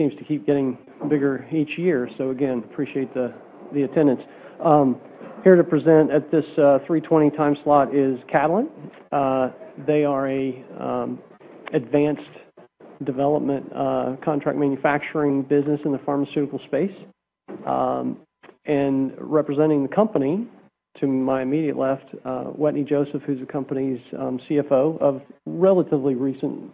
Seems to keep getting bigger each year, so again, appreciate the attendance. Here to present at this 3:20 time slot is Catalent. They are an advanced development contract manufacturing business in the pharmaceutical space, and representing the company to my immediate left, Wetteny Joseph, who's the company's CFO of relatively recent,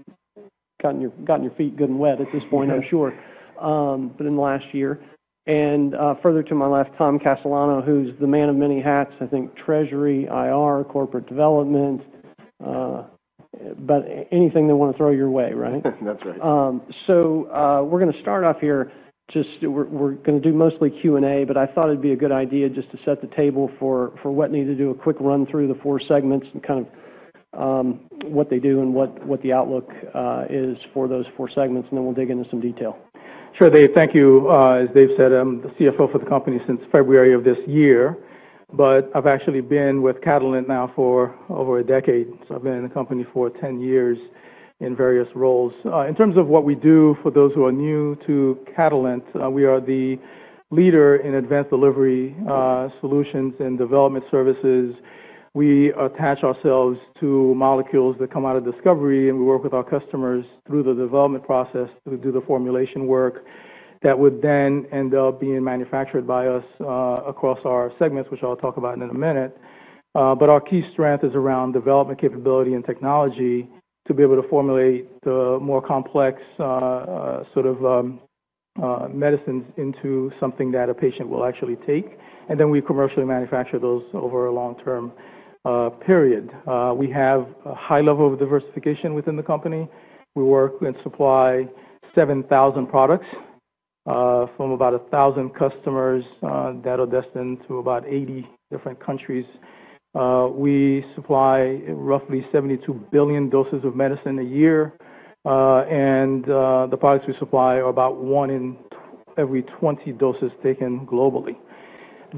gotten your feet good and wet at this point, I'm sure, but in the last year, and further to my left, Tom Castellano, who's the man of many hats, I think treasury, IR, corporate development, but anything they want to throw your way, right? That's right. So we're going to start off here. We're going to do mostly Q&A, but I thought it'd be a good idea just to set the table for Wetteny to do a quick run through the four segments and kind of what they do and what the outlook is for those four segments, and then we'll dig into some detail. Sure, Dave. Thank you. As Dave said, I'm the CFO for the company since February of this year, but I've actually been with Catalent now for over a decade. So I've been in the company for 10 years in various roles. In terms of what we do, for those who are new to Catalent, we are the leader in advanced delivery solutions and development services. We attach ourselves to molecules that come out of discovery, and we work with our customers through the development process to do the formulation work that would then end up being manufactured by us across our segments, which I'll talk about in a minute. But our key strength is around development capability and technology to be able to formulate the more complex sort of medicines into something that a patient will actually take, and then we commercially manufacture those over a long-term period. We have a high level of diversification within the company. We work and supply 7,000 products from about 1,000 customers that are destined to about 80 different countries. We supply roughly 72 billion doses of medicine a year, and the products we supply are about one in every 20 doses taken globally.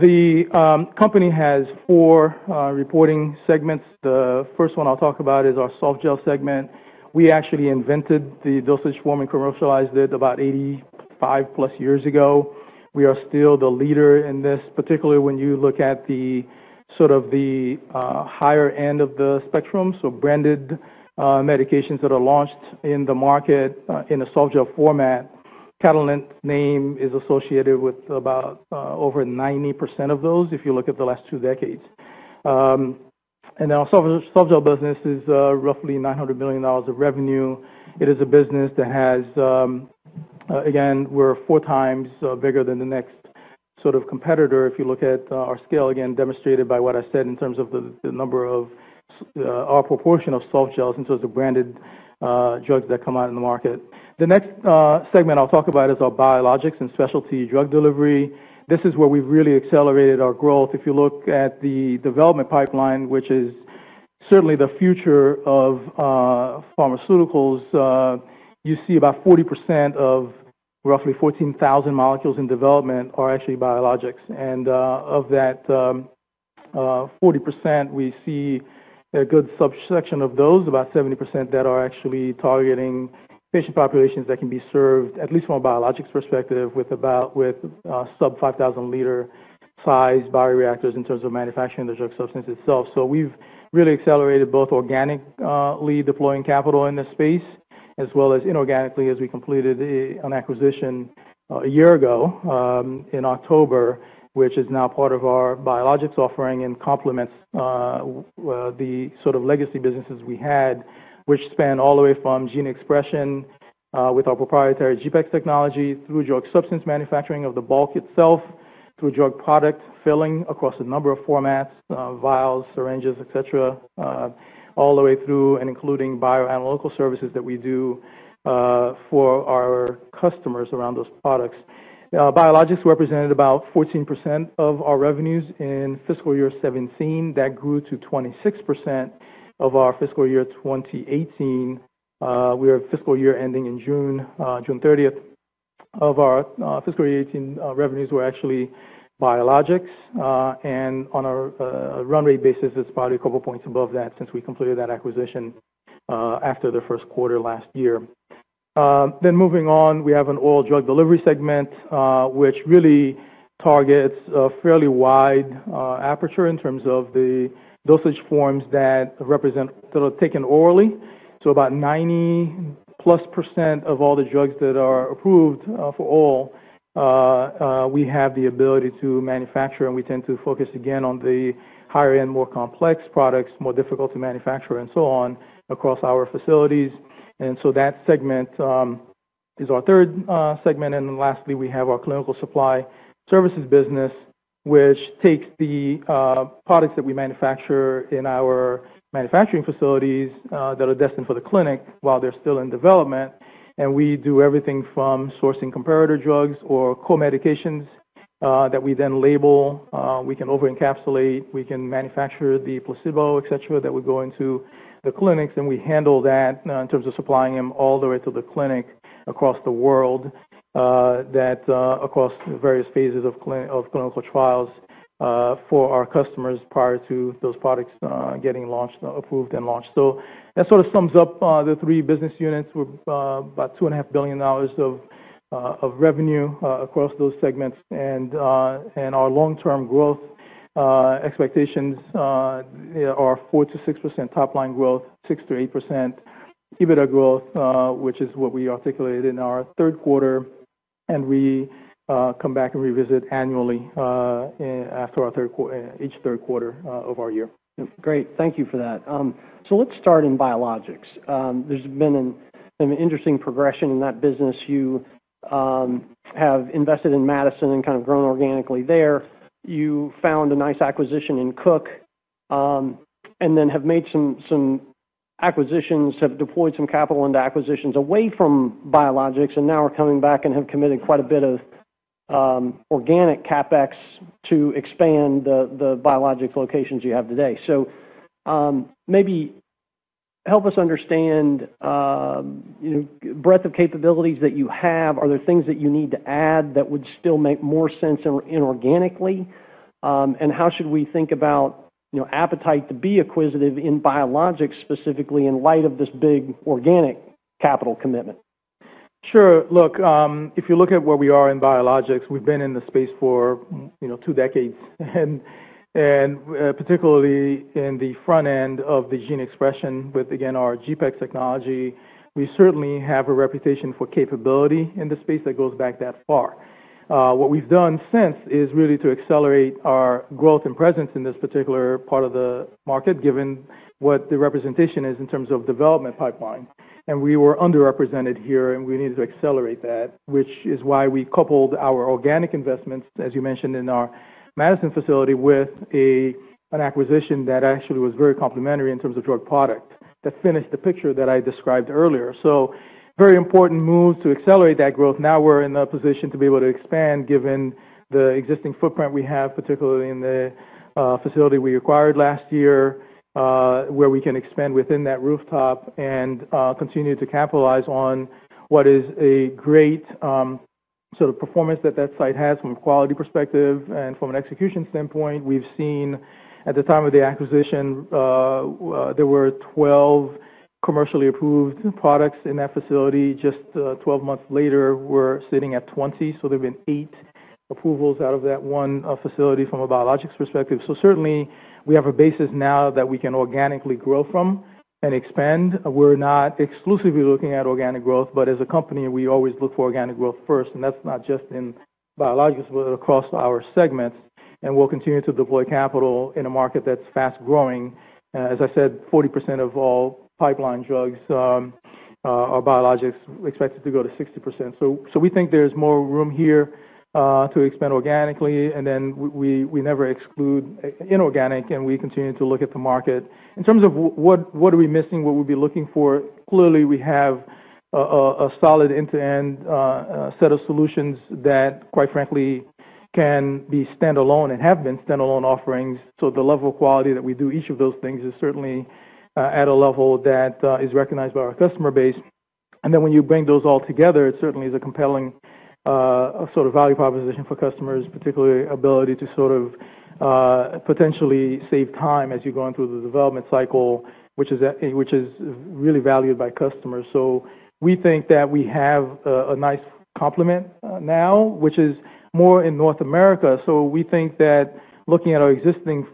The company has four reporting segments. The first one I'll talk about is our Softgel segment. We actually invented the dosage form and commercialized it about 85+ years ago. We are still the leader in this, particularly when you look at sort of the higher end of the spectrum. So branded medications that are launched in the market in a Softgel format, Catalent's name is associated with about over 90% of those if you look at the last two decades. And then our Softgel business is roughly $900 million of revenue. It is a business that has, again, we're four times bigger than the next sort of competitor if you look at our scale, again, demonstrated by what I said in terms of the number of our proportion of softgels in terms of branded drugs that come out in the market. The next segment I'll talk about is our Biologics and Specialty Drug Delivery. This is where we've really accelerated our growth. If you look at the development pipeline, which is certainly the future of pharmaceuticals, you see about 40% of roughly 14,000 molecules in development are actually biologics. And of that 40%, we see a good subsection of those, about 70%, that are actually targeting patient populations that can be served, at least from a biologics perspective, with sub-5,000 L sized bioreactors in terms of manufacturing the drug substance itself. We've really accelerated both organically deploying capital in this space as well as inorganically, as we completed an acquisition a year ago in October, which is now part of our biologics offering and complements the sort of legacy businesses we had, which span all the way from gene expression with our proprietary GPEx technology through drug substance manufacturing of the bulk itself, through drug product filling across a number of formats, vials, syringes, etc., all the way through and including bioanalytical services that we do for our customers around those products. Biologics represented about 14% of our revenues in fiscal year 2017. That grew to 26% of our fiscal year 2018. We are fiscal year ending in June, June 30th. Of our fiscal year 2018 revenues were actually biologics, and on a run rate basis, it's probably a couple of points above that since we completed that acquisition after the first quarter last year, then moving on, we have an Oral Drug Delivery segment, which really targets a fairly wide aperture in terms of the dosage forms that are taken orally, so about 90+% of all the drugs that are approved for oral, we have the ability to manufacture, and we tend to focus again on the higher-end, more complex products, more difficult to manufacture, and so on across our facilities, and so that segment is our third segment, and then lastly, we have our Clinical Supply Services business, which takes the products that we manufacture in our manufacturing facilities that are destined for the clinic while they're still in development. And we do everything from sourcing comparator drugs or co-medications that we then label. We can over-encapsulate. We can manufacture the placebo, etc., that would go into the clinics, and we handle that in terms of supplying them all the way to the clinic across the world, across various phases of clinical trials for our customers prior to those products getting approved and launched. So that sort of sums up the three business units. We're about $2.5 billion of revenue across those segments, and our long-term growth expectations are 4%-6% top-line growth, 6%-8% EBITDA growth, which is what we articulated in our third quarter, and we come back and revisit annually after each third quarter of our year. Great. Thank you for that. So let's start in biologics. There's been an interesting progression in that business. You have invested in Madison and kind of grown organically there. You found a nice acquisition in Cook and then have made some acquisitions, have deployed some capital into acquisitions away from biologics, and now are coming back and have committed quite a bit of organic CapEx to expand the biologics locations you have today. So maybe help us understand the breadth of capabilities that you have. Are there things that you need to add that would still make more sense inorganically? And how should we think about appetite to be acquisitive in biologics, specifically in light of this big organic capital commitment? Sure. Look, if you look at where we are in biologics, we've been in the space for two decades, and particularly in the front end of the gene expression with, again, our GPEx technology. We certainly have a reputation for capability in the space that goes back that far. What we've done since is really to accelerate our growth and presence in this particular part of the market, given what the representation is in terms of development pipeline. And we were underrepresented here, and we needed to accelerate that, which is why we coupled our organic investments, as you mentioned, in our Madison facility with an acquisition that actually was very complementary in terms of drug product that finished the picture that I described earlier. So very important move to accelerate that growth. Now we're in a position to be able to expand, given the existing footprint we have, particularly in the facility we acquired last year, where we can expand within that rooftop and continue to capitalize on what is a great sort of performance that that site has from a quality perspective and from an execution standpoint. We've seen at the time of the acquisition, there were 12 commercially approved products in that facility. Just 12 months later, we're sitting at 20. So there have been 8 approvals out of that one facility from a biologics perspective. So certainly, we have a basis now that we can organically grow from and expand. We're not exclusively looking at organic growth, but as a company, we always look for organic growth first. And that's not just in biologics, but across our segments. And we'll continue to deploy capital in a market that's fast-growing. As I said, 40% of all pipeline drugs are biologics, expected to go to 60%. So we think there's more room here to expand organically. And then we never exclude inorganic, and we continue to look at the market. In terms of what are we missing, what we'd be looking for, clearly, we have a solid end-to-end set of solutions that, quite frankly, can be standalone and have been standalone offerings. So the level of quality that we do each of those things is certainly at a level that is recognized by our customer base. And then when you bring those all together, it certainly is a compelling sort of value proposition for customers, particularly ability to sort of potentially save time as you're going through the development cycle, which is really valued by customers. So we think that we have a nice complement now, which is more in North America. So we think that looking at our existing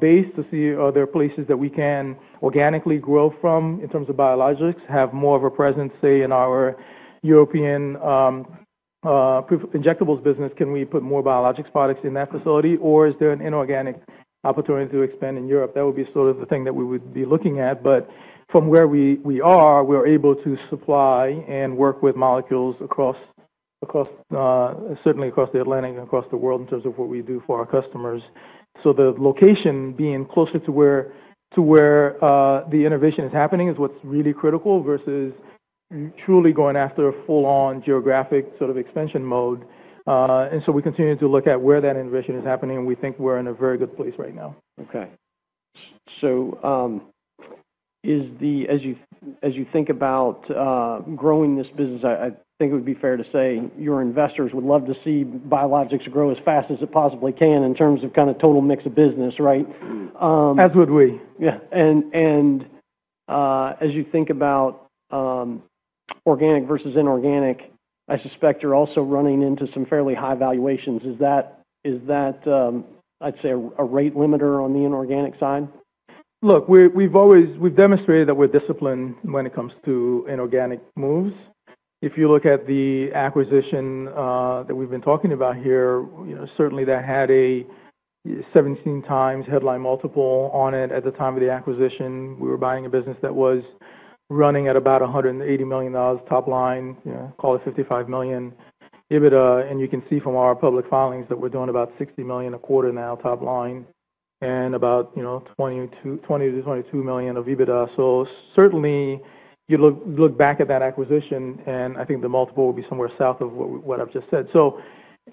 base to see are there places that we can organically grow from in terms of biologics, have more of a presence, say, in our European injectables business, can we put more biologics products in that facility, or is there an inorganic opportunity to expand in Europe? That would be sort of the thing that we would be looking at. But from where we are, we're able to supply and work with molecules certainly across the Atlantic and across the world in terms of what we do for our customers. So the location being closer to where the innovation is happening is what's really critical versus truly going after a full-on geographic sort of expansion mode. And so we continue to look at where that innovation is happening, and we think we're in a very good place right now. Okay. So as you think about growing this business, I think it would be fair to say your investors would love to see biologics grow as fast as it possibly can in terms of kind of total mix of business, right? As would we. Yeah. And as you think about organic versus inorganic, I suspect you're also running into some fairly high valuations. Is that, I'd say, a rate limiter on the inorganic side? Look, we've demonstrated that we're disciplined when it comes to inorganic moves. If you look at the acquisition that we've been talking about here, certainly that had a 17x headline multiple on it at the time of the acquisition. We were buying a business that was running at about $180 million top line, call it $55 million EBITDA. And you can see from our public filings that we're doing about $60 million a quarter now top line and about $20 million-$22 million of EBITDA. So certainly, you look back at that acquisition, and I think the multiple will be somewhere south of what I've just said. So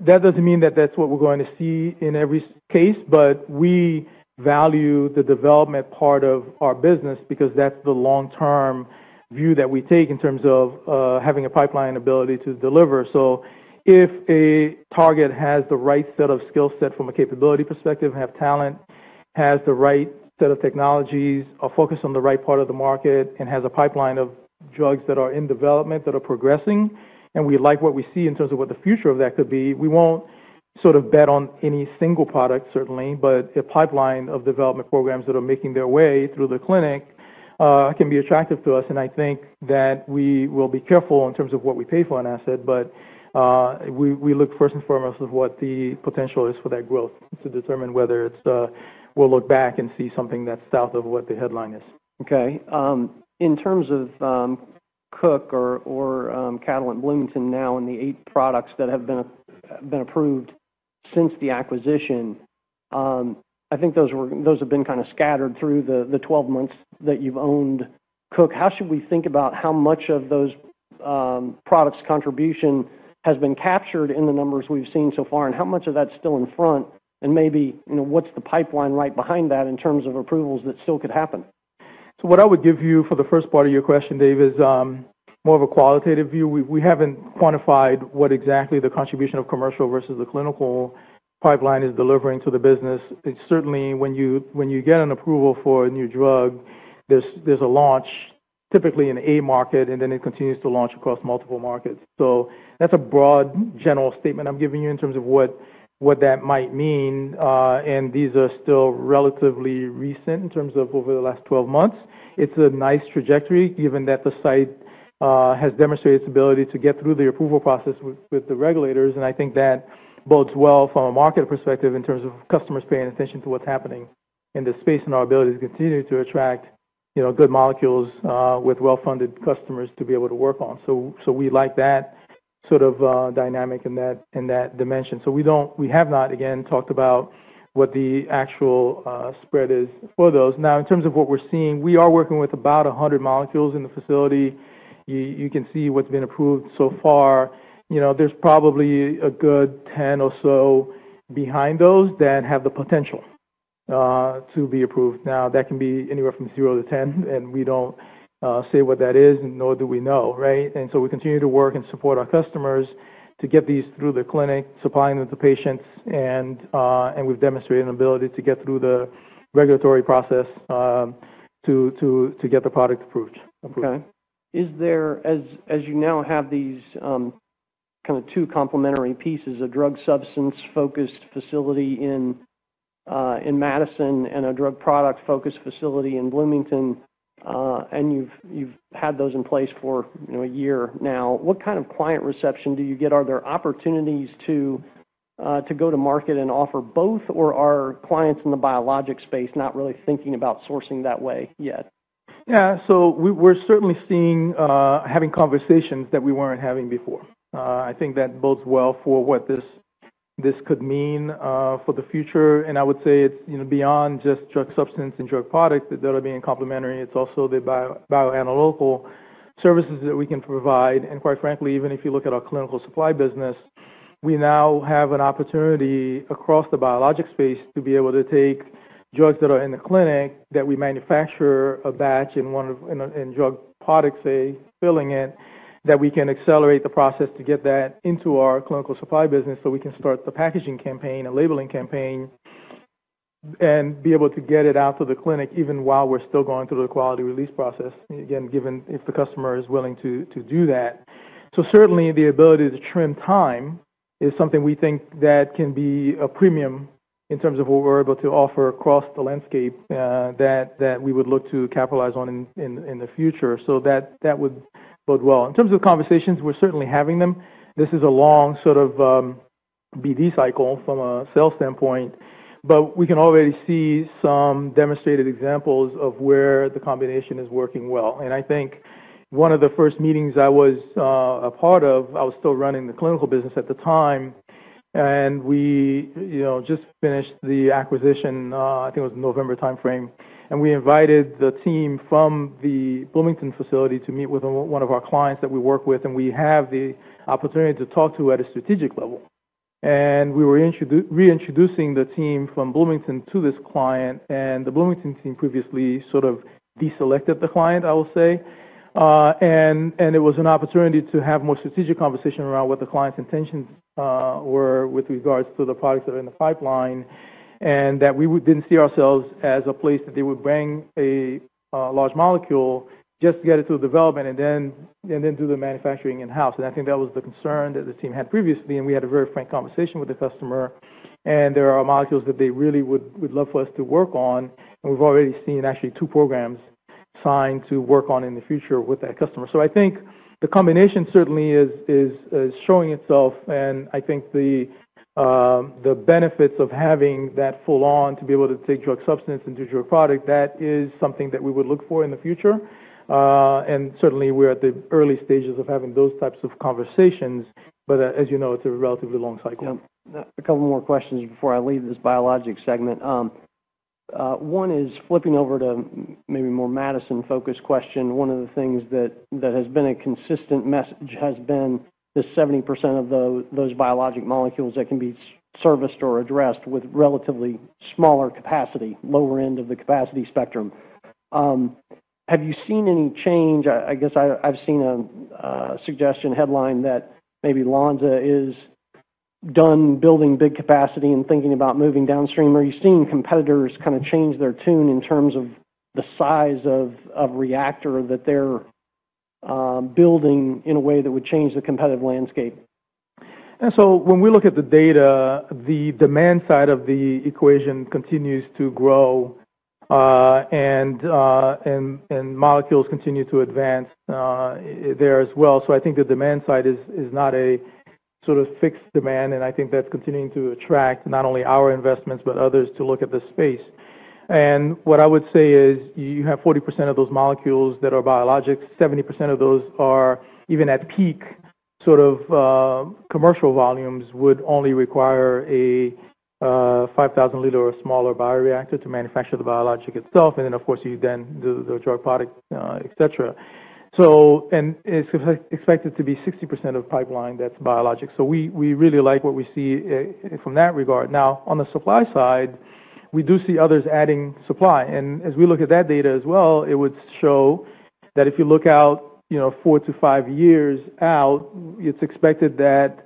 that doesn't mean that that's what we're going to see in every case, but we value the development part of our business because that's the long-term view that we take in terms of having a pipeline ability to deliver. If a target has the right set of skill set from a capability perspective, has talent, has the right set of technologies, a focus on the right part of the market, and has a pipeline of drugs that are in development that are progressing, and we like what we see in terms of what the future of that could be, we won't sort of bet on any single product, certainly, but a pipeline of development programs that are making their way through the clinic can be attractive to us. I think that we will be careful in terms of what we pay for an asset, but we look first and foremost at what the potential is for that growth to determine whether we'll look back and see something that's south of what the headline is. Okay. In terms of Cook or Catalent Bloomington now and the eight products that have been approved since the acquisition, I think those have been kind of scattered through the 12 months that you've owned Cook. How should we think about how much of those products' contribution has been captured in the numbers we've seen so far, and how much of that's still in front, and maybe what's the pipeline right behind that in terms of approvals that still could happen? So what I would give you for the first part of your question, Dave, is more of a qualitative view. We haven't quantified what exactly the contribution of commercial versus the clinical pipeline is delivering to the business. And certainly, when you get an approval for a new drug, there's a launch typically in the U.S. market, and then it continues to launch across multiple markets. So that's a broad general statement I'm giving you in terms of what that might mean. And these are still relatively recent in terms of over the last 12 months. It's a nice trajectory given that the site has demonstrated its ability to get through the approval process with the regulators. I think that bodes well from a market perspective in terms of customers paying attention to what's happening in this space and our ability to continue to attract good molecules with well-funded customers to be able to work on. We like that sort of dynamic in that dimension. We have not, again, talked about what the actual spread is for those. Now, in terms of what we're seeing, we are working with about 100 molecules in the facility. You can see what's been approved so far. There's probably a good 10 or so behind those that have the potential to be approved. Now, that can be anywhere from 0-10, and we don't say what that is, nor do we know, right? We continue to work and support our customers to get these through the clinic, supplying them to patients. We've demonstrated an ability to get through the regulatory process to get the product approved. Okay. As you now have these kind of two complementary pieces, a drug substance-focused facility in Madison and a drug product-focused facility in Bloomington, and you've had those in place for a year now, what kind of client reception do you get? Are there opportunities to go to market and offer both, or are clients in the biologics space not really thinking about sourcing that way yet? Yeah. So we're certainly having conversations that we weren't having before. I think that bodes well for what this could mean for the future. And I would say it's beyond just drug substance and drug products that are being complementary. It's also the bioanalytical services that we can provide. And quite frankly, even if you look at our clinical supply business, we now have an opportunity across the biologics space to be able to take drugs that are in the clinic that we manufacture a batch in drug products, say, filling it, that we can accelerate the process to get that into our clinical supply business so we can start the packaging campaign and labeling campaign and be able to get it out to the clinic even while we're still going through the quality release process, again, given if the customer is willing to do that. So certainly, the ability to trim time is something we think that can be a premium in terms of what we're able to offer across the landscape that we would look to capitalize on in the future. So that would bodes well. In terms of conversations, we're certainly having them. This is a long sort of BD cycle from a sales standpoint, but we can already see some demonstrated examples of where the combination is working well. And I think one of the first meetings I was a part of, I was still running the clinical business at the time, and we just finished the acquisition, I think it was November timeframe. And we invited the team from the Bloomington facility to meet with one of our clients that we work with, and we have the opportunity to talk to at a strategic level. We were reintroducing the team from Bloomington to this client. The Bloomington team previously sort of deselected the client, I will say. It was an opportunity to have more strategic conversation around what the client's intentions were with regards to the products that are in the pipeline and that we didn't see ourselves as a place that they would bring a large molecule just to get it through development and then do the manufacturing in-house. I think that was the concern that the team had previously. We had a very frank conversation with the customer. There are molecules that they really would love for us to work on. We've already seen actually two programs signed to work on in the future with that customer. I think the combination certainly is showing itself.I think the benefits of having that full-on to be able to take drug substance into drug product, that is something that we would look for in the future. Certainly, we're at the early stages of having those types of conversations. As you know, it's a relatively long cycle. A couple more questions before I leave this biologics segment. One is flipping over to maybe more Madison-focused question. One of the things that has been a consistent message has been the 70% of those biologic molecules that can be serviced or addressed with relatively smaller capacity, lower end of the capacity spectrum. Have you seen any change? I guess I've seen a suggestion headline that maybe Lonza is done building big capacity and thinking about moving downstream. Are you seeing competitors kind of change their tune in terms of the size of reactor that they're building in a way that would change the competitive landscape? So when we look at the data, the demand side of the equation continues to grow, and molecules continue to advance there as well. So I think the demand side is not a sort of fixed demand. And I think that's continuing to attract not only our investments but others to look at the space. And what I would say is you have 40% of those molecules that are biologics. 70% of those are even at peak sort of commercial volumes would only require a 5,000 L or smaller bioreactor to manufacture the biologic itself. And then, of course, you then do the drug product, etc. And it's expected to be 60% of pipeline that's biologic. So we really like what we see from that regard. Now, on the supply side, we do see others adding supply. As we look at that data as well, it would show that if you look out four to five years out, it's expected that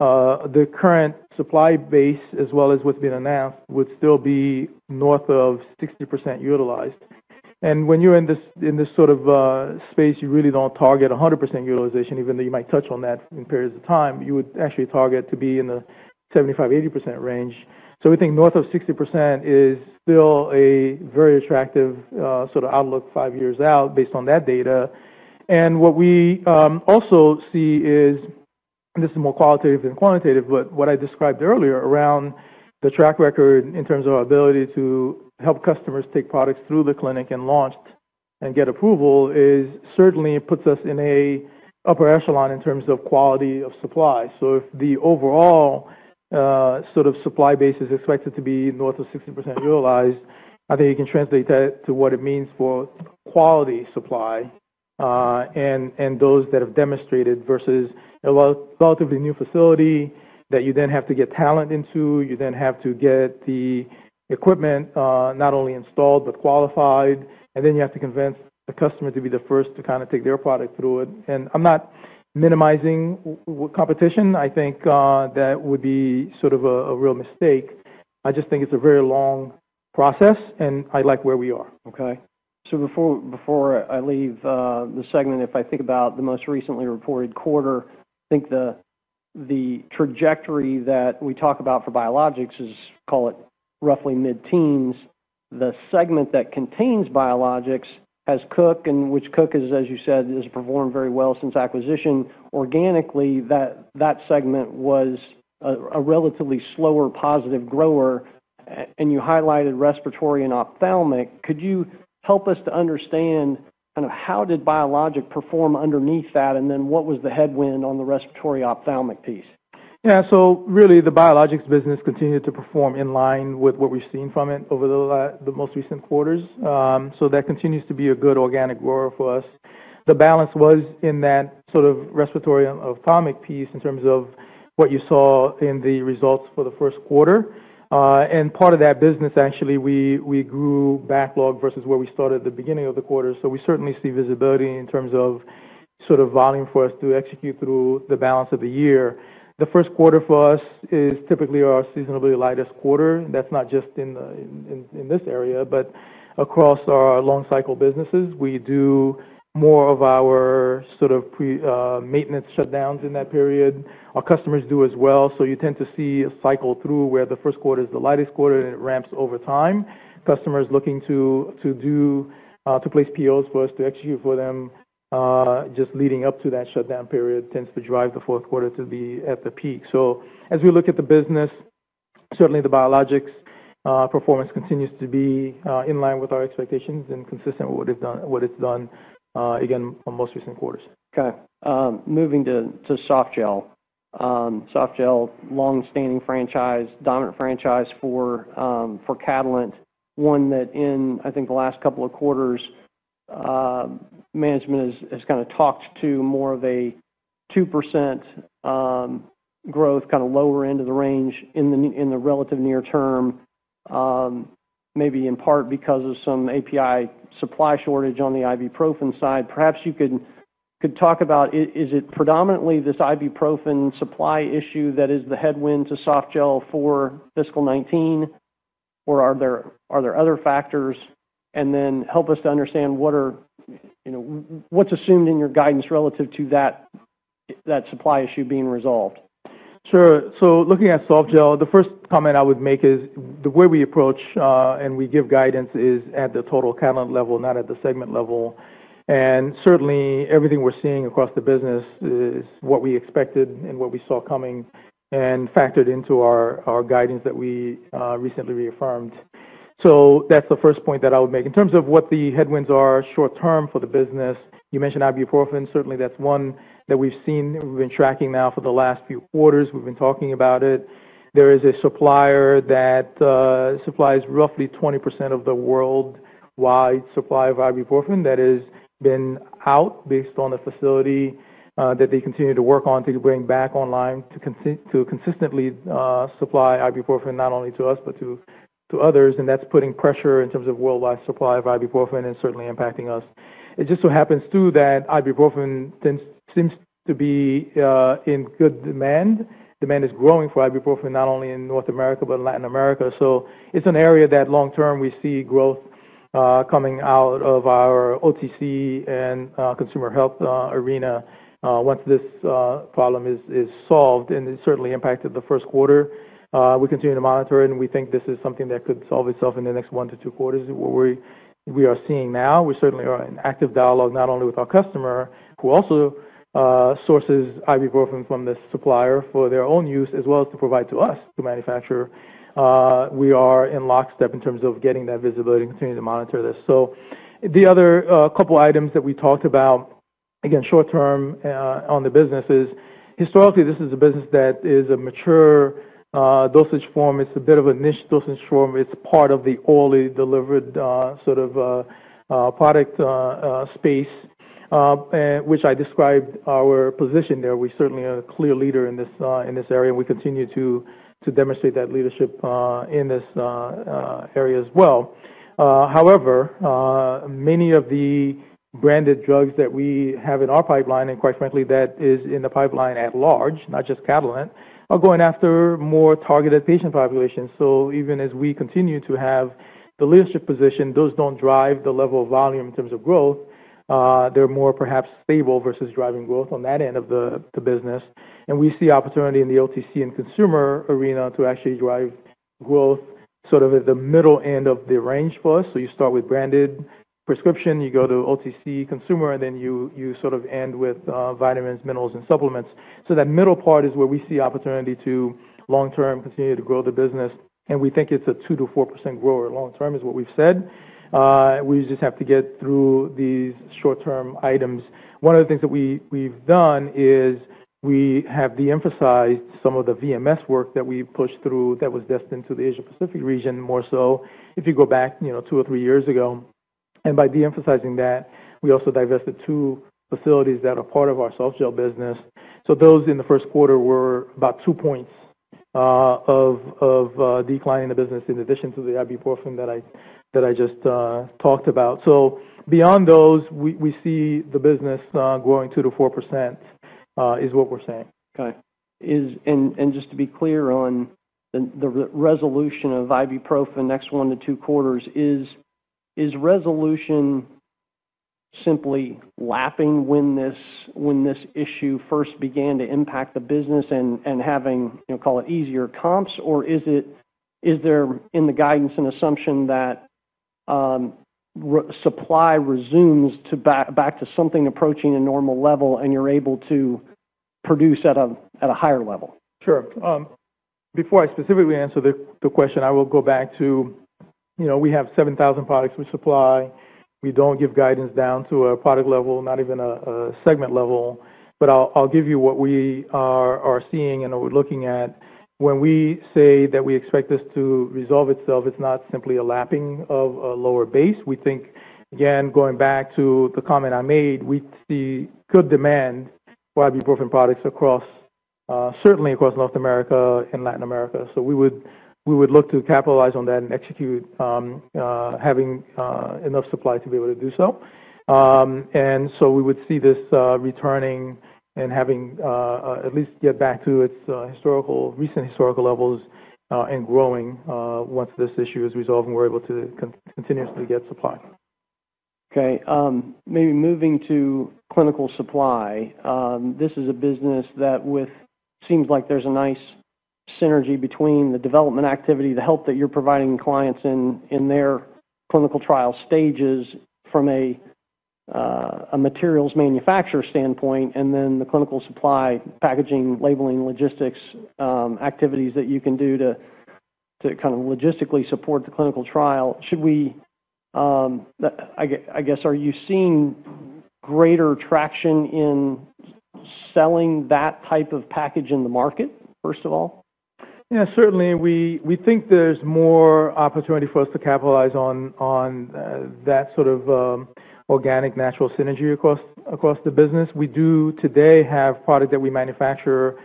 the current supply base, as well as what's been announced, would still be north of 60% utilized. When you're in this sort of space, you really don't target 100% utilization, even though you might touch on that in periods of time. You would actually target to be in the 75%-80% range. We think north of 60% is still a very attractive sort of outlook five years out based on that data. What we also see is, and this is more qualitative than quantitative, but what I described earlier around the track record in terms of our ability to help customers take products through the clinic and launch and get approval is certainly puts us in an upper echelon in terms of quality of supply. If the overall sort of supply base is expected to be north of 60% utilized, I think you can translate that to what it means for quality supply and those that have demonstrated versus a relatively new facility that you then have to get talent into. You then have to get the equipment not only installed but qualified. Then you have to convince the customer to be the first to kind of take their product through it. I'm not minimizing competition. I think that would be sort of a real mistake. I just think it's a very long process, and I like where we are. Okay. So before I leave the segment, if I think about the most recently reported quarter, I think the trajectory that we talk about for biologics is, call it, roughly mid-teens. The segment that contains biologics has Cook, and which Cook is, as you said, has performed very well since acquisition. Organically, that segment was a relatively slower positive grower. And you highlighted respiratory and ophthalmic. Could you help us to understand kind of how did biologics perform underneath that, and then what was the headwind on the respiratory ophthalmic piece? Yeah. So really, the biologics business continued to perform in line with what we've seen from it over the most recent quarters. So that continues to be a good organic grower for us. The balance was in that sort of respiratory ophthalmic piece in terms of what you saw in the results for the first quarter. And part of that business, actually, we grew backlog versus where we started at the beginning of the quarter. So we certainly see visibility in terms of sort of volume for us to execute through the balance of the year. The first quarter for us is typically our seasonally lightest quarter. That's not just in this area, but across our long-cycle businesses. We do more of our sort of maintenance shutdowns in that period. Our customers do as well. So you tend to see a cycle through where the first quarter is the lightest quarter, and it ramps over time. Customers looking to place POs for us to execute for them just leading up to that shutdown period tends to drive the fourth quarter to be at the peak. So as we look at the business, certainly the biologics performance continues to be in line with our expectations and consistent with what it's done, again, on most recent quarters. Okay. Moving to Softgel. Softgel, long-standing franchise, dominant franchise for Catalent. One that in, I think, the last couple of quarters, management has kind of talked to more of a 2% growth, kind of lower end of the range in the relative near term, maybe in part because of some API supply shortage on the ibuprofen side. Perhaps you could talk about, is it predominantly this ibuprofen supply issue that is the headwind to Softgel for fiscal 2019, or are there other factors? And then help us to understand what's assumed in your guidance relative to that supply issue being resolved. Looking at Softgel, the first comment I would make is the way we approach and we give guidance is at the total Catalent level, not at the segment level. Certainly, everything we're seeing across the business is what we expected and what we saw coming and factored into our guidance that we recently reaffirmed. That's the first point that I would make. In terms of what the headwinds are short-term for the business, you mentioned ibuprofen. Certainly, that's one that we've seen. We've been tracking now for the last few quarters. We've been talking about it. There is a supplier that supplies roughly 20% of the worldwide supply of ibuprofen that has been out based on the facility that they continue to work on to bring back online to consistently supply ibuprofen not only to us but to others. And that's putting pressure in terms of worldwide supply of ibuprofen and certainly impacting us. It just so happens too that ibuprofen seems to be in good demand. Demand is growing for ibuprofen not only in North America but in Latin America. So it's an area that long-term we see growth coming out of our OTC and consumer health arena once this problem is solved. And it certainly impacted the first quarter. We continue to monitor it. And we think this is something that could solve itself in the next one to two quarters where we are seeing now. We certainly are in active dialogue not only with our customer who also sources ibuprofen from the supplier for their own use as well as to provide to us to manufacture. We are in lockstep in terms of getting that visibility and continuing to monitor this. So the other couple of items that we talked about, again, short-term on the business is historically, this is a business that is a mature dosage form. It's a bit of a niche dosage form. It's part of the orally delivered sort of product space, which I described our position there. We certainly are a clear leader in this area. And we continue to demonstrate that leadership in this area as well. However, many of the branded drugs that we have in our pipeline, and quite frankly, that is in the pipeline at large, not just Catalent, are going after more targeted patient populations. So even as we continue to have the leadership position, those don't drive the level of volume in terms of growth. They're more perhaps stable versus driving growth on that end of the business. And we see opportunity in the OTC and consumer arena to actually drive growth sort of at the middle end of the range for us. So you start with branded prescription, you go to OTC consumer, and then you sort of end with vitamins, minerals, and supplements. So that middle part is where we see opportunity to long-term continue to grow the business. And we think it's a 2%-4% grower long-term is what we've said. We just have to get through these short-term items. One of the things that we've done is we have de-emphasized some of the VMS work that we pushed through that was destined to the Asia-Pacific region more so if you go back two or three years ago. And by de-emphasizing that, we also divested two facilities that are part of our Softgel business. Those in the first quarter were about two points of declining the business in addition to the ibuprofen that I just talked about. Beyond those, we see the business growing 2%-4% is what we're saying. Okay. And just to be clear on the resolution of ibuprofen next one to two quarters, is resolution simply lapping when this issue first began to impact the business and having, call it easier comps, or is there in the guidance an assumption that supply resumes back to something approaching a normal level and you're able to produce at a higher level? Sure. Before I specifically answer the question, I will go back to we have 7,000 products we supply. We don't give guidance down to a product level, not even a segment level. But I'll give you what we are seeing and are looking at. When we say that we expect this to resolve itself, it's not simply a lapping of a lower base. We think, again, going back to the comment I made, we see good demand for ibuprofen products certainly across North America and Latin America. So we would look to capitalize on that and execute having enough supply to be able to do so. And so we would see this returning and having at least get back to its recent historical levels and growing once this issue is resolved and we're able to continuously get supply. Okay. Maybe moving to clinical supply. This is a business that seems like there's a nice synergy between the development activity, the help that you're providing clients in their clinical trial stages from a materials manufacturer standpoint, and then the clinical supply packaging, labeling, logistics activities that you can do to kind of logistically support the clinical trial. I guess, are you seeing greater traction in selling that type of package in the market, first of all? Yeah. Certainly, we think there's more opportunity for us to capitalize on that sort of organic natural synergy across the business. We do today have product that we manufacture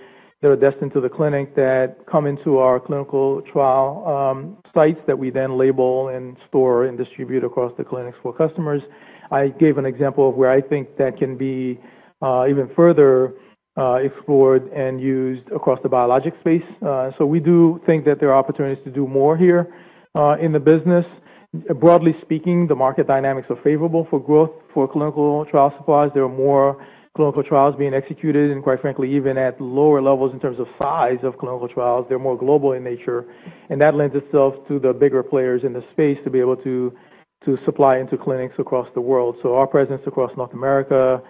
that are destined to the clinic that come into our clinical trial sites that we then label and store and distribute across the clinics for customers. I gave an example of where I think that can be even further explored and used across the biologics space. So we do think that there are opportunities to do more here in the business. Broadly speaking, the market dynamics are favorable for growth for clinical trial supplies. There are more clinical trials being executed. And quite frankly, even at lower levels in terms of size of clinical trials, they're more global in nature. And that lends itself to the bigger players in the space to be able to supply into clinics across the world. So our presence across North America,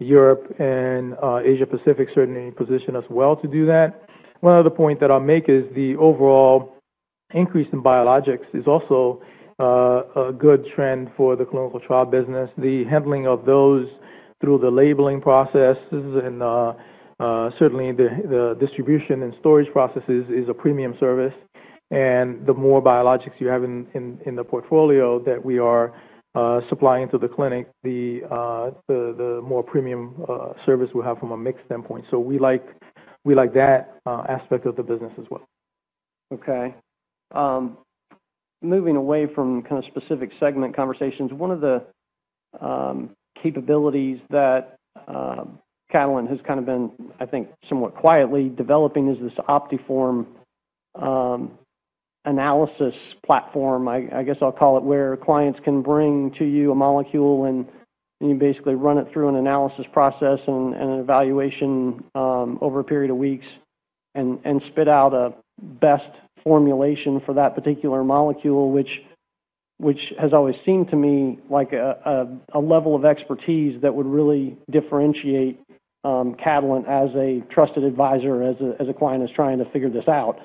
Europe, and Asia-Pacific certainly positions us well to do that. One other point that I'll make is the overall increase in biologics is also a good trend for the clinical trial business. The handling of those through the labeling process and certainly the distribution and storage processes is a premium service. And the more biologics you have in the portfolio that we are supplying to the clinic, the more premium service we'll have from a mixed standpoint. So we like that aspect of the business as well. Okay. Moving away from kind of specific segment conversations, one of the capabilities that Catalent has kind of been, I think, somewhat quietly developing is this OptiForm Solution Suite, I guess I'll call it, where clients can bring to you a molecule and you basically run it through an analysis process and an evaluation over a period of weeks and spit out a best formulation for that particular molecule, which has always seemed to me like a level of expertise that would really differentiate Catalent as a trusted advisor as a client is trying to figure this out.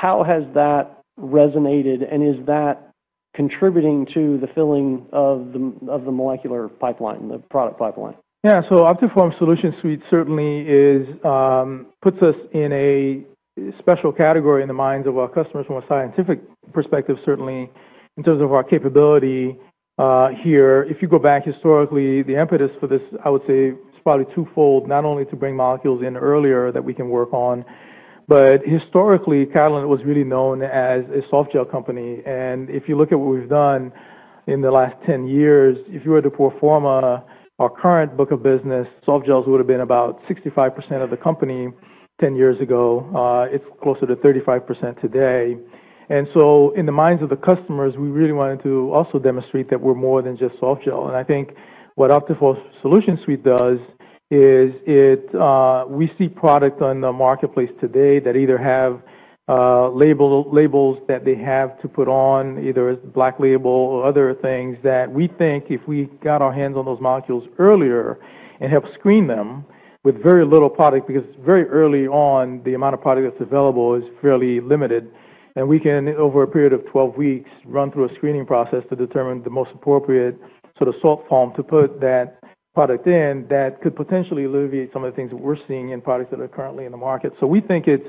How has that resonated, and is that contributing to the filling of the molecular pipeline, the product pipeline? Yeah. So OptiForm Solution Suite certainly puts us in a special category in the minds of our customers from a scientific perspective, certainly, in terms of our capability here. If you go back historically, the impetus for this, I would say, is probably twofold, not only to bring molecules in earlier that we can work on, but historically, Catalent was really known as a Softgel company. And if you look at what we've done in the last 10 years, if you were to perform our current book of business, Softgels would have been about 65% of the company 10 years ago. It's closer to 35% today. And so in the minds of the customers, we really wanted to also demonstrate that we're more than just Softgel. And I think what OptiForm Solution Suite does is we see product on the marketplace today that either have labels that they have to put on, either as a black label or other things that we think if we got our hands on those molecules earlier and help screen them with very little product because very early on, the amount of product that's available is fairly limited. And we can, over a period of 12 weeks, run through a screening process to determine the most appropriate sort of salt form to put that product in that could potentially alleviate some of the things that we're seeing in products that are currently in the market. So we think it's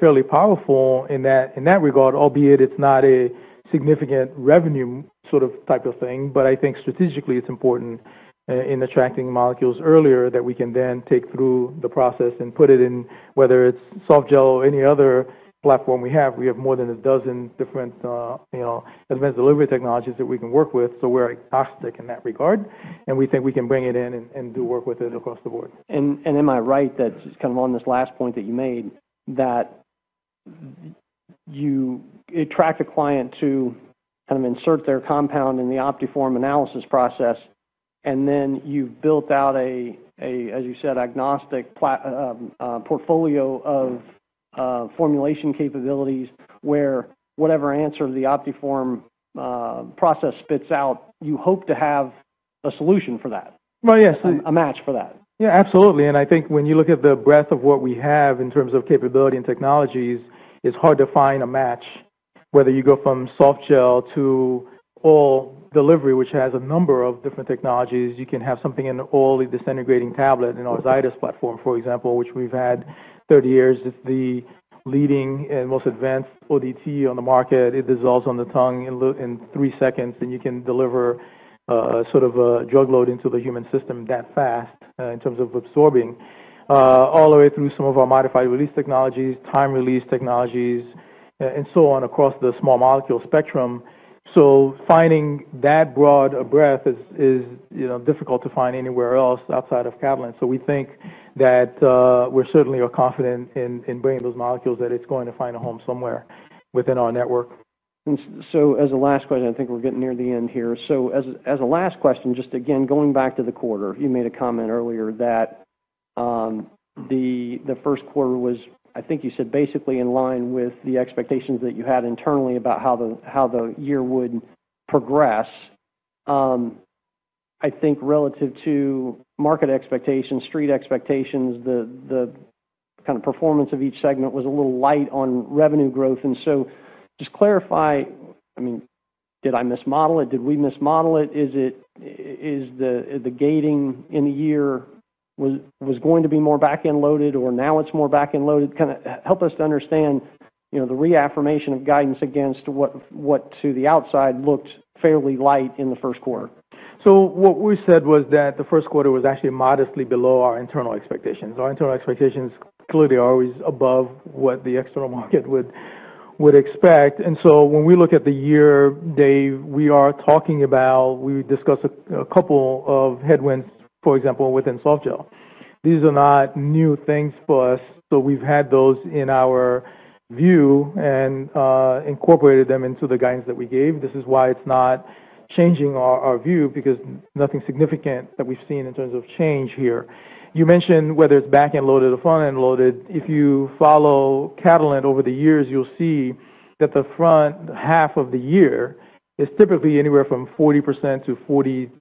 fairly powerful in that regard, albeit it's not a significant revenue sort of type of thing. But I think strategically, it's important in attracting molecules earlier that we can then take through the process and put it in whether it's Softgel or any other platform we have. We have more than a dozen different advanced delivery technologies that we can work with. So we're agnostic in that regard. And we think we can bring it in and do work with it across the board. Am I right that just kind of on this last point that you made, that you attract a client to kind of insert their compound in the OptiForm analysis process, and then you've built out a, as you said, agnostic portfolio of formulation capabilities where whatever answer the OptiForm process spits out, you hope to have a solution for that, a match for that? Yeah. Absolutely. And I think when you look at the breadth of what we have in terms of capability and technologies, it's hard to find a match. Whether you go from Softgel to oral delivery, which has a number of different technologies, you can have something in an orally disintegrating tablet, a Zydis platform, for example, which we've had 30 years. It's the leading and most advanced ODT on the market. It dissolves on the tongue in three seconds. And you can deliver sort of a drug load into the human system that fast in terms of absorbing all the way through some of our modified release technologies, time-release technologies, and so on across the small molecule spectrum. So finding that broad a breadth is difficult to find anywhere else outside of Catalent. So we think that we certainly are confident in bringing those molecules that it's going to find a home somewhere within our network. And so as a last question, I think we're getting near the end here. So as a last question, just again, going back to the quarter, you made a comment earlier that the first quarter was, I think you said, basically in line with the expectations that you had internally about how the year would progress. I think relative to market expectations, street expectations, the kind of performance of each segment was a little light on revenue growth. And so just clarify, I mean, did I mismodel it? Did we mismodel it? Is the gating in the year going to be more back-end loaded, or now it's more back-end loaded? Kind of help us to understand the reaffirmation of guidance against what to the outside looked fairly light in the first quarter. So what we said was that the first quarter was actually modestly below our internal expectations. Our internal expectations clearly are always above what the external market would expect. And so when we look at the year-to-date, we are talking about. We discussed a couple of headwinds, for example, within Softgel. These are not new things for us. So we've had those in our view and incorporated them into the guidance that we gave. This is why it's not changing our view because nothing significant that we've seen in terms of change here. You mentioned whether it's back-end loaded or front-end loaded? If you follow Catalent over the years, you'll see that the front half of the year is typically anywhere from 40% to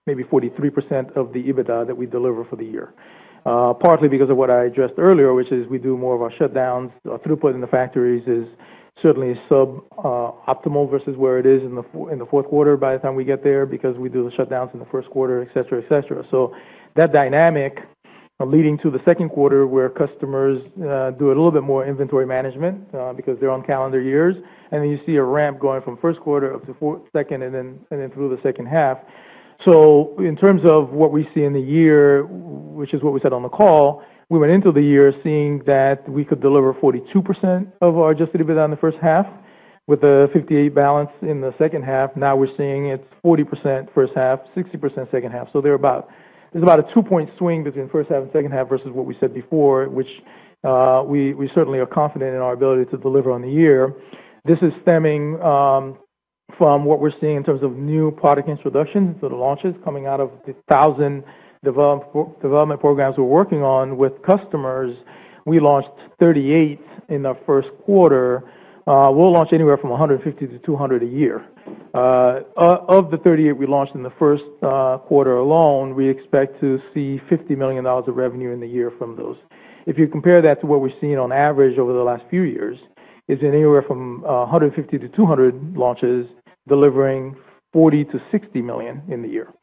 maybe 43% of the EBITDA that we deliver for the year, partly because of what I addressed earlier, which is we do more of our shutdowns. Our throughput in the factories is certainly sub-optimal versus where it is in the fourth quarter by the time we get there because we do the shutdowns in the first quarter, etc., etc., so that dynamic leading to the second quarter where customers do a little bit more inventory management because they're on calendar years, and then you see a ramp going from first quarter up to second and then through the second half. So in terms of what we see in the year, which is what we said on the call, we went into the year seeing that we could deliver 42% of our adjusted EBITDA in the first half with a 58% balance in the second half. Now we're seeing it's 40% first half, 60% second half. So there's about a two-point swing between first half and second half versus what we said before, which we certainly are confident in our ability to deliver on the year. This is stemming from what we're seeing in terms of new product introductions to the launches coming out of the 1,000 development programs we're working on with customers. We launched 38 in the first quarter. We'll launch anywhere from 150-200 a year. Of the 38 we launched in the first quarter alone, we expect to see $50 million of revenue in the year from those. If you compare that to what we've seen on average over the last few years, it's anywhere from 150 launches-200 launches delivering $40 million-$60 million in the year.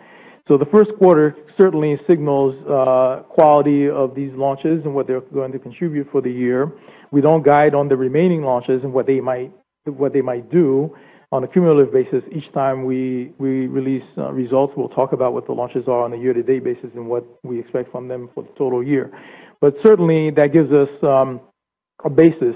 So the first quarter certainly signals quality of these launches and what they're going to contribute for the year. We don't guide on the remaining launches and what they might do on a cumulative basis. Each time we release results, we'll talk about what the launches are on a year-to-date basis and what we expect from them for the total year. But certainly, that gives us a basis,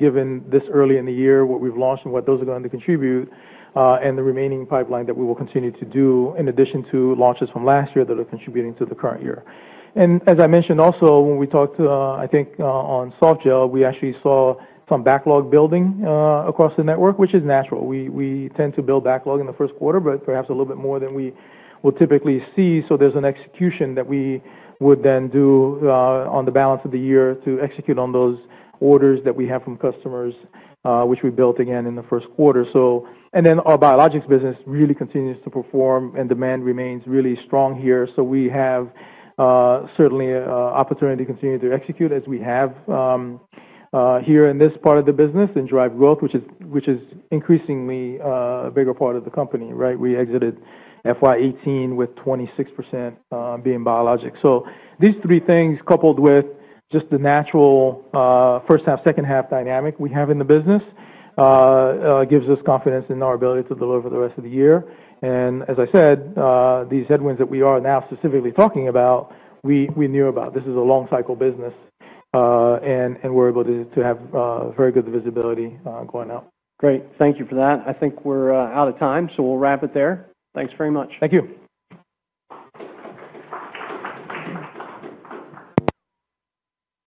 given this early in the year, what we've launched and what those are going to contribute and the remaining pipeline that we will continue to do in addition to launches from last year that are contributing to the current year. And as I mentioned also, when we talked, I think, on Softgel, we actually saw some backlog building across the network, which is natural. We tend to build backlog in the first quarter, but perhaps a little bit more than we will typically see. So there's an execution that we would then do on the balance of the year to execute on those orders that we have from customers, which we built again in the first quarter. And then our biologics business really continues to perform and demand remains really strong here. So we have certainly an opportunity to continue to execute as we have here in this part of the business and drive growth, which is increasingly a bigger part of the company, right? We exited FY 2018 with 26% being biologics. So these three things coupled with just the natural first half, second half dynamic we have in the business gives us confidence in our ability to deliver for the rest of the year. And as I said, these headwinds that we are now specifically talking about, we knew about. This is a long-cycle business. And we're able to have very good visibility going out. Great. Thank you for that. I think we're out of time. So we'll wrap it there. Thanks very much. Thank you.